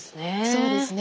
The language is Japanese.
そうですね。